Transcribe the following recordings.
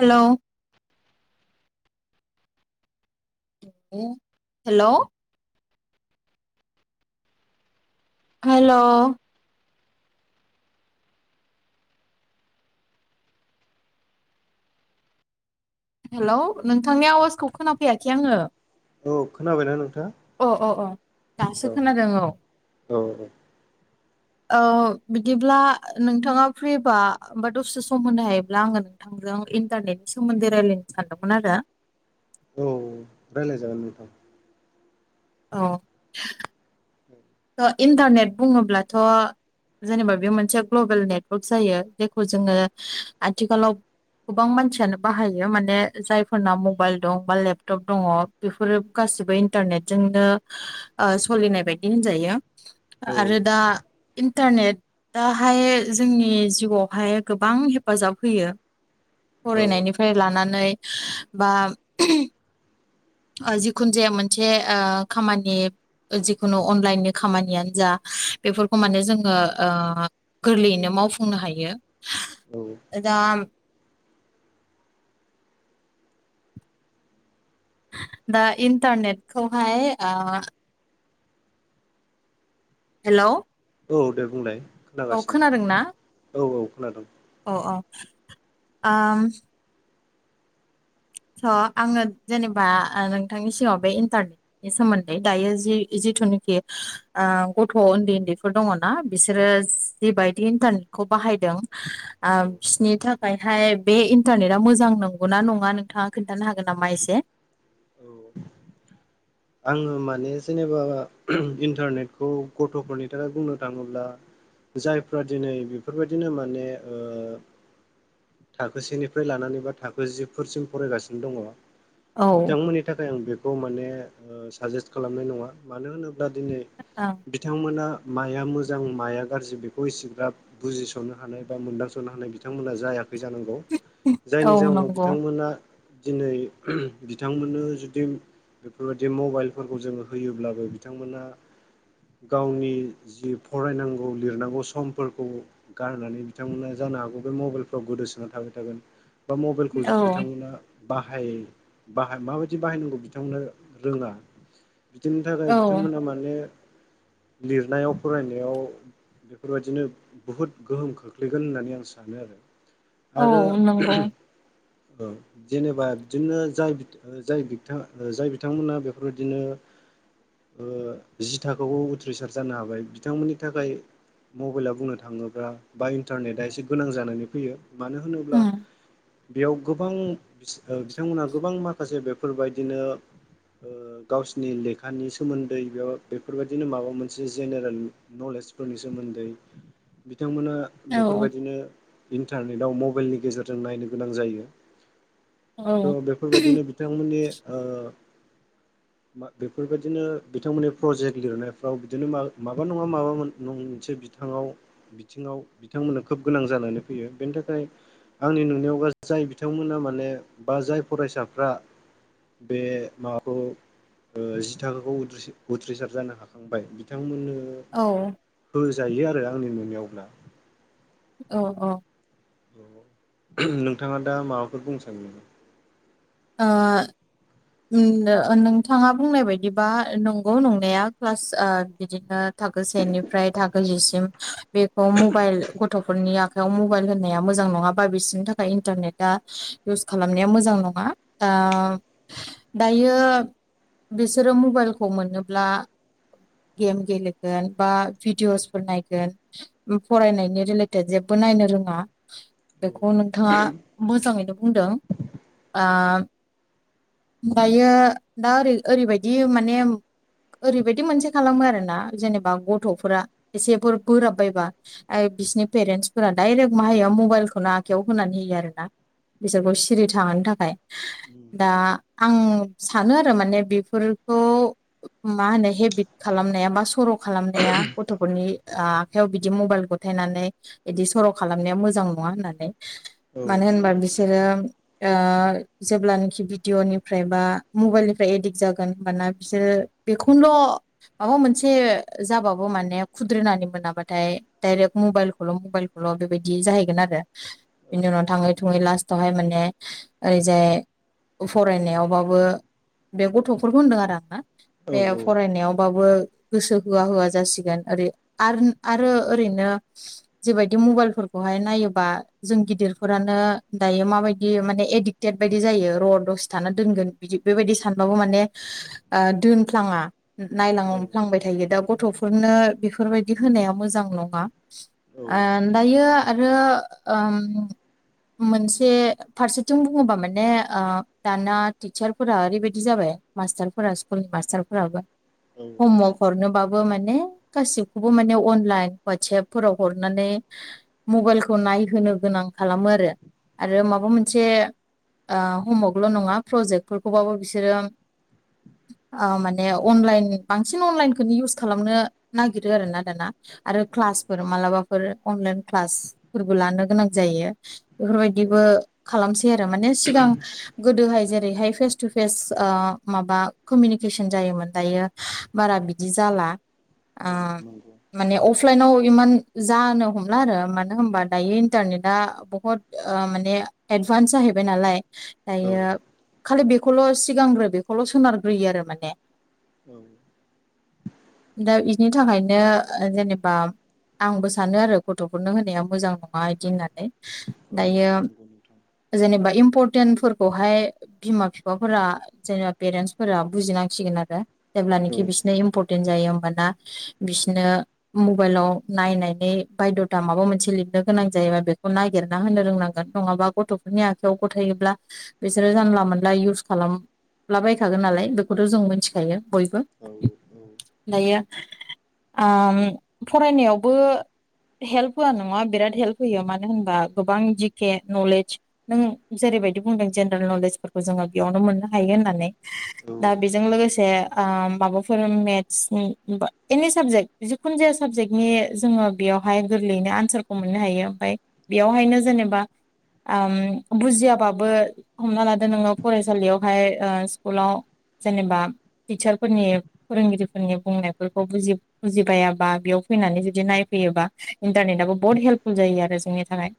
Hello hello hello hello नोंथांनि आवाजखौ खोनाफैयाखै आङो। औ खोनाबायना नोंथां? अ अ अ दासो खोनादों औ। औ औ बिदिब्ला नोंथाङा फ्रिब्ला होमबा दसे सम होनो हायोब्ला आङो नोंथां जों इन्टारनेटनि सोमोन्दै रायज्लायनो सानदोंमोन आरो। औ रायलाय जागोन नोंथां। औ। ओ इन्टारनेट बुङोब्लाथ' जेनेबा बे मोनसे ग्लबेल नेटवार्क जायो जेखौ जोङो आथिखालाव गोबां मानसियानो बाहायो माने जायफोरना मबाइल दं बा लेपटप दङ बेफोरो गा सैबो इन्टारनेट जोंनो ओ सोलिनाय बाय दि होनजायो औ आरो दा इन्टारनेटाहाय जोंनि जिउआवहाय गोबां हेफाजाब होयो। औ फरायनायनिफ्राय लानानै बा [unintelligible] ओ जिखुनु जाया मोनसे ओ खामानि जि खुनु अनलाइननि खामानियानो जा बेफोरखौ माने जोङो ओ गोरलैयैनो मावफुंनो हायो औ दा दा इन्टारनेटखौहाय ओ हेलौ औ दे बुंलाय। औ खोनागासिनो खोनादों ना औ औ खोनादों औ औ ओम स' आङो जेनेबा नोंथांनि सिगाव बे इन्टारनेटनि सोमोन्दै दायो जि-जि जिथुनिखि ओ गथ' उन्दै उन्दैफोर दङना बिसोरो जिबायदि इन्टारनेखौ बाहायदों ओ औ बिसोरनि थाखायहाय बे इन्टारनेटा मोजां नंगौना नङा नों थाङा खोन्थानो हागोन नामा एसे। औ आङो माने जेनेबा इन्टारनेटखौ गथ'फोरनि थाखाय बुंनो थाङोब्ला जायफ्रा दिनै बेफोरबायदिनो माने ओ थाखोसेनिफ्राय लानानै बा थाखो जिफोरसिम फरायगासिनो दङ औ बिथांमोननि थाखाय आं बेखौ माने ओ साजेस्ट खालामनाय नङा मानो होनोब्ला दिनै ओं बिथांमोना माया मोजां माया गाज्रि बेखौ एसेग्राब बुजिस'नो हानाय बा मोनदांस'नो हानाय बिथांमोना जाया जानांगौ औ जायनि जाउनाव नंगौ बिथांमोना दिनै बिथांमोननो जुदि बेफोरबायदि मबाइलफोरखौ जों होयोब्लाबो बिथांमोनहा गावनि जि फरायनांगौ लिरनांगौ समफोरखौ गारनानै बिथांमोना जा नो हागौ बे मबाइलफ्राव गोदोसोनानै थाबाय थागोन बा मबाइलखौ औ बिथांमोना बाहाय बाहाय माबायदि बाहायनांगौ बिथांमोना रोङा बिदिनि थाखाय औ बिथांमोनहा माने लिरनायाव फरायनायाव बेफोरबायदिनो बुहुद गोहोम खोख्लैगोन होननानै आं सानो आरो। आरो औ नंगौ [unintelligible] औ जेनेबा बिदिनो जाय जाय बिथां जाय बिथांमोना बेफोरबायदिनो ओ जि थाखोखौ उथ्रिसार जानो हाबाय बिथांमोननि थाखाय मबाइला बुंनो थाङोब्ला बा इन्टारनेटआ एसे गोनां जानानै फैयो मानो होनोब्ला उम बेयाव गोबां बिथांमोनहा गोबां माखासे बेफोरबायदिनो गावसिनि लेखानि सोमोन्दै बेयाव बेफोरबायदिनो माबा मोनसे जेनेरेल नलेज फोरनि सोमोन्दै [inaudible] बिथांमोना औ बेफोरबायदिनो इन्टारनेटाव मबाइलनि गेजेरजों नायनो गोनां जायो। औ थ' बेफोरबायदिनो बिथांमोननि ओ [unintelligible] मा बेफोरबायदिनो बिथांमोननि प्रजेग लिरनायफोराव माबा नङा माबा मोनसे बिथांआव बिथिङाव बिथांमोननो खोब गोनां जानानै फैयो बेनि थाखाय आंनि नुनायावा जाय बिथांमोना माने बा जाय फरायसाफ्रा बे माबाखौ जि थाखोखौ उथ्रिसार जानो हाखांबाय बिथांमोननो औ होजायो आरो आंनि नुनायावब्ला। औ औ। नोंथाङा दा माबाफोर बुंनो सानो नामा? ओ नोंथाङा बुंनाय बायदिबा नंगौ नंनाया प्लास बिदिनो। थाखो सेनिफ्राय थाखो जिसिम बेखौ मबाइल गथ'फोरनि आखायाव मबाइल होननाया मोजां मोजां नङाबा बिसोरनि थाखाय इन्टारनेटा इउस खालामनाया मोजां नङा। ओ दायो। बिसोरो मबाइलखौ मोनोब्ला गेम गेलेगोन बा भिडअसफोर नायगोन फरायनायनि रिलेटेड जेबो नायनो रोङा औ बेखौ नोंथाङा मोजाङैनो बुंदों। ओ दायो दा ओरै ओरैबायदि माने ओरैबायदि मोनसे खालामो आरो ना जेनेबा गथ'फोरा एसेफोर बोराबबायबा बिसिनि पेरेन्टसफोरा दायरेक्ट मा होयो मबाइलखौनो आखायाव होनानै होयो आरो ना। बिसोरखौ सिरि थाहोनो थाखाय। दा आं सानो आरो माने बेफोरखौ मा होनो हेबिट खालाम खालामनाया बा सर' खालामनाया गथ'फोरनि आखाइयाव बिदि मबाइल गथायनानै बिदि सर' खालामनाया मोजां नङा होननानै। औ मानो होनबा नंगौ बिसोरो ओ जेब्लानोखि भिडिअ'निफ्राय बा मबाइलनिफ्राय एडिक्ट जागोन होमबाना बिसोरो बेखौल' माबा मोनसे जाबाबो माने खुद्रिनानै मोनाबाथाय दायरेक मबलखौल' मबाइल खौल' बेबायदि जाहैगोन आरो औ बिनि उनाव थाङै थुङै लास्टावहाय माने ओरैजाय फरायनायावबाबो बे गथ'फोरखौ होनदों आरो आं ना औ बे फरायनायावबाबो गोसो होआ होआ जासिगोन ओरै आरो ओरैनो जेबायदि मबाइलफोरख बेहाय नायोबा जों गिदिरफोरानो दायो माबायदि माने एदिक टेट बायदि जायो र' दसे थाना दोनगोन बिदि बेबायदि सानबाबो माने ओ दोनफ्लाङा नायलांफ्लांबाय थायो दा गथ'फोरनो बेफोरबायदि होनाया मोजां नङा। ओन दायो आरो ओम मोनसे फारसेथिं बु बुङोबा माने ओ दाना टिचारफोरा ओरैबायदि जाबाय मास्टारफोरा स्कुलनि मास्टारफोराबो औ औ हमवर्क हरनोबाबो बो माने गासिखौबो माने अनलायन हुवाट्स एपफोराव हरनानै मबाइलखौ नाय नाय होनोनो गोनां खालामो आरो आरो माबा मोनसे ओ हमवर्कल' नङा प्रजेक्टफोरखौबाबो बिसोरो ओ माने अनलाइन बांसिन अनलाइनखौनो इउस खालामनो नागिरो आरोना दाना आरो क्लासफोर मालाबाफोर अनलाइन क्लास फोरबो लानो गोनां जायो बेफोरबायदिबो खालामसै आरो माने सिगां गोदोहाय जे रैहाय फेस टु फेस माबा कमिउनिकेसन जायोमोन दायो बारा बिदि जाला आ औ नंगौ माने अफ फ्लाइनाव इमान जानो हमला आरो मानो होनबा दायो इन्टारनेट आ बुहुत ओ माने एदभान्स जाहैबाय नालाय औ दायो खालि बेख खौल' सिगांग्रो बेखौल' सोनारग्रोयो आरो माने औ दा इदिनि थाखायनो ओ जेनेबा आंबो सानो आरो गथ'फोरनो होनाया मोजां नङा इदि होननानै औ दायो नंगौ नोंथां जेनेबा इम्परटेन्टफोरखौहाय बिमा फिफाफोरा जेनेबा पेरेन्सफोरा बुजिनांसिगोन आरो औ जेब्लानोखि बिसनिया इम्परटेन जायो होमबाना बिसोरनो मबाइलाव नायनानै बायद'था माबा मोनसे लिरनो गोनां जायोबा बेखौ नागिरना होनो रोंनांगोन नङाबा गथ' फोरनि आखाइायाव गथायोबब्ला बिसोरो जानला मोनला इउस खालाम लाबायखागोन नालाय बेखौथ' जों मिथिखायो बयबो औ दायो ओम फरायनायावबो हेल्प होआ नङा बिराद हेल्प होयो मानो होनबा गोबां जिके नलेज नों जेरैबायदि बुंदों जेनेरेल नलेजफोरखौ जोङो बेयावनो मोननो हायो होननानै दा बेजों लोगोसे ओ माबाफोर मेथ्सनि बा एनि साबजेक्ट जिखुन जाया साबजेक्टनि जोङो बे बेयावहाय गोरलैनो आनसार मोननो हायो ओमफ्राय बेयावहायनो जेनेबा ओम बुजियाबाबो हमना लादो नोंङाव फरायसालियावहाय ओ स्कुलाव जेनेबा टिचारफोरनि फोरोंगिरिफोरनि बुंनायफोरखौ बुजि-बुजिबायाबा बेयाव फैनानै जुदि नायफै योबा इन्टरनेट आबो बहद हेल्फफुल जायो आरो जोंनि थाखाय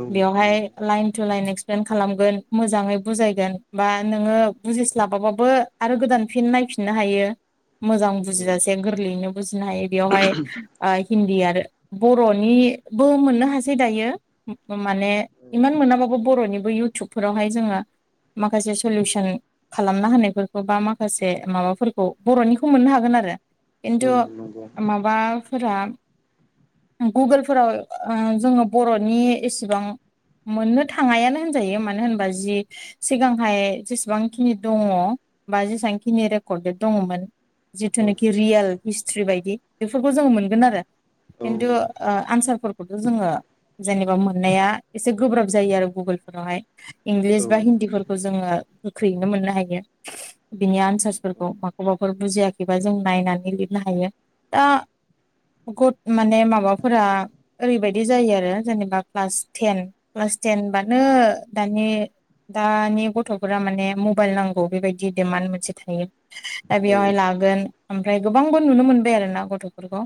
नंगौ औ नंगौ औ नंगौ औ औ बेवहाय लाइन लायन एक्सप्लेन खालामगोन मोजाङै बुजायगोन बा नोङो बुजिस्लाबाबाबो आरो गोदान फिन नायफिननो हायो मोजां बुजिजासे गोरलैयैनो बुजिनो हायो बेयावहाय ओ हिन्दी आरो बर'नि बो मोननो हासै दायो, माने इमान मोनाबाब बो बर'निबो इउटुबफोरावहाय जोङो माखासे सलुसन खालामना होनायफोरखौ बा माखासे माबाफोरखौ बर'निखौ मोननो हागोन आरो खिन्थु माबाफोरा गुगोलफोराव ओ जोङो बर'नि एसेबां मोननो थाङायानो होनजायो मानो होनबा जि सिगांहाय जेसेबांखिनि दङ बा जेसां बां खिनि रेकर्डेड दङमोन जिथुनोखि रियेल हिस्ट्रि बायदि बेफोरखौ जोङो मोनगोन आरो। खिन्थु ओ आनसारफोरखौथ' जोङो जेनेबा मोननाया एसे गोब्राब जायो आरो गुगोलफोरावहाय इंलिस बा हिन्दीफोरखौ जोंङो गोख्रैयैनो मोननो हायो। बिनि आनसार्सफोरखौ माखौबाफोर बुजियाखैबा जों नायनानै लिरनो हायो। दा गट माने माबाफोरा ओरैबायदि जायो आरो जेनेबा क्लास टेन क्लास टेनबानो दानि दानि गथ'फोरा माने मबाइल नांगौ बेबायदि डिमान्ड मोनसे थायो। दा बेवहाय लागोन ओमफ्राय गोबांबो नुनो मोनबाय आरोना गथफोरखौ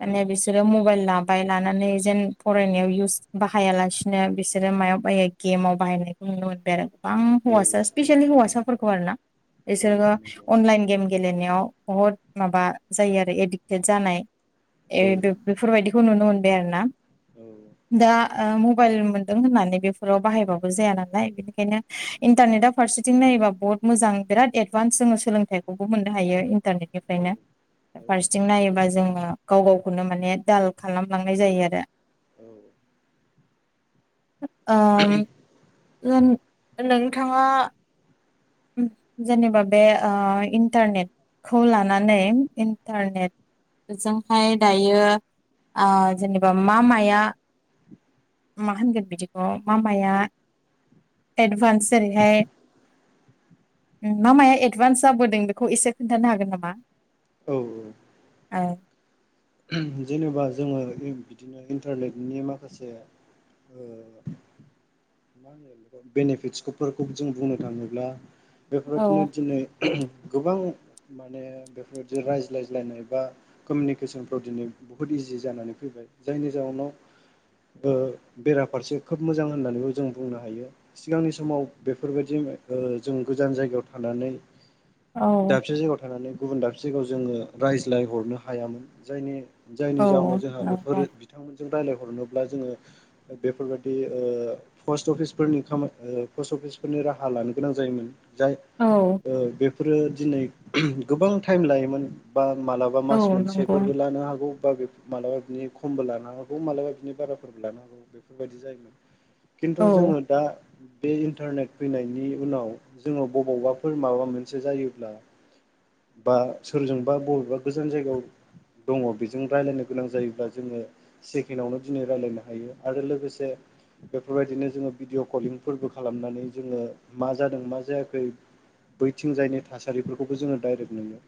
माने बिसोरो मबाइल लाबाय लानानै जेन फरायनायाव इउस बाहायालासिनो बिसोरो मायाव बायो गेमाव बाहायनायखौ नुनो मोनबाय आरो गोबां हौवासा स्पेसियेलि हौवासाफोरखौ आरो ना। बिसोरो अनलाइन गेम गेलेनायाव बहुत माबा जायो आरो एडिक्टेड जानाय ए बे बेफोरबायदि खौ नुनो मोनबाय आरोना। दा ओ मबाइल मोन दो होननानै बेफोराव बाहायबाबो जाया नालाय बिनिखायनो इन्टारनेटा फारसेथिं नायोबा बहुत मोजां बिराद एदभान्स जोङो सोलोंथाइखौबो मोननो हायो इन्टारनेटनिफ्रायनो फारसेथिं नायोबा जोङो गाव गावखौनो माने दाल खालामलांनाय जायो आरो औ ओम ओम नोंथाङा ओम जेनेब बे ओ इन्टारनेट खौ लानानै इन्टारनेट बेजोंहाय दायो ओ जेनेबा मा माया मा होनगोन बिदिखौ मा माया एडभानस जेरैहाय ओम मा माया एडभान्स जाबोदों बेखौ एसे खोन्थानो हागोन नामा औ औ औ ओम जेनेबा जोङो बिदिनो इन्टारनेटनि माखासे ओ मा होनो बिखौ बेनिफिटसफोरखौ जों बुंनो थांङोब्ला बेफोरबायदिनो औ दिनै [unintelligible] गोबां माने बेफोरबायदि रायज्लायज्लायनाय बा कोमिउनिकेसन आव दिनै बुहुत इजि जानानै फैबाय जायनि जाहोनाव ओ बेराफारसे खोब मोजां होननानैबो जों बुंनो हायो सिगांनि समाव बेफोरबायदि [unintelligible] ओ जों गोजान जायगायाव थानानै औ दाबसे जायगायाव थानानै गुबुन दाबसे जायगायाव जोंङो रायज्लायहरनो हायामोन जायनि जायनि जाहोनाव औ जोंहा नंगौ बेफोर बिथांमोनजों रायलाय हरनोब्ला जोङो बेफोरबायदि ओ फ्सट अफिसफोरनि खामा ओ फ्सट अफिस फोरनि राहा लानो गोनां जायोमोन जाय औ ओ बेफोरो दिनै [unintelligible] गोबां टाइम लायोमोन बा मालाबा मास औ नंगौ मोनसेफोरबो लानो हागौ बा बेफो मालाबा बिनि खमबो लानो हागौ मालाबा बिनि बाराफोरबो लानो हागौ बेफोरबायदि जायोमोन खिन्थु औ जोङो दा बे इन्टारनेट फैनायनि उनाव जोङो बबावबाफोर माबा मोनसे जायोब्ला बा सोरजोंबा बबेबा गोजान जायगायाव दङ बेजों रायलायनो गोनां जायोब्ला जोङो सेकेणडआवनो दिनै रायलायनो हायो आरो लोगोसे बेफोरबायदिनो जोङो भिडिअ' कलिंफोरबो खालामनानै जोङो मा जादों मा जायाखै बैथिं जायनि थासारिफोरखौबो जोङो डाइरेक्ट नुयो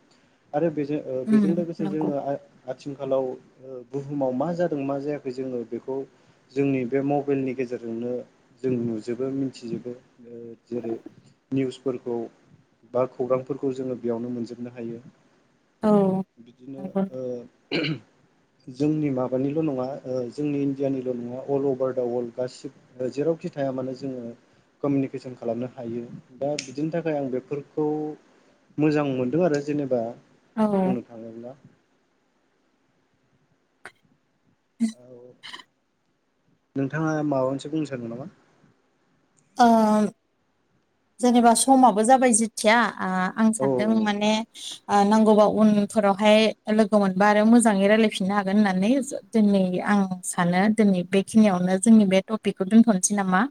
आरो बेजों ओ उम बेजों लोगोसे नंगौ जोङो आथिंखालाव ओ बुहुमाव मा जादों मा जायाखै जोङो बेखौ जोंनि बे मबाइलनि गेजेर जेरजोंनो जों नुजोबो मिथिजोबो जेरै निउसफोरखौ बा खौरांफोरखौ जोङो बेयावनो मोनजोबनो हायो बिदिनो औ ओ जोंनि माबानिल' नङा जोंनि इण्डियानिल' नङा अल अभार दा वर्ल्ड गासिबो जेराव खि थाया मानो जोङो कमिउनिकेसन खालामनो हायो दा बिदिनि थाखाय आं बेफोरखौ मोजां मोनदों आरो जेनेबा औ बुंनो थाङोब्ला औ [inaudible] नोंथाङा माबानिसो बुंनो सानदों नामा ओ जेनेबा समाबो जाबाय जेथिया आं औ सानदों माने नांगौबा उनफोरावहाय लोगो मोनबा आरो मोजाङै रायजलायफिननो हागोन होननानै दोनै आं सानो दिनै बेखिनियावनो जोंनि बे टपिकखौ दोन्थ'नोसै नामा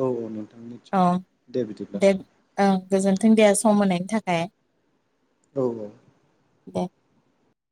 औ औ नोंथां निस्सय औ दे ओं गोजोनथों दे सम होनायनि थाखाय। औ औ। दे।